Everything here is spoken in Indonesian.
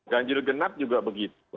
ganjil genap juga begitu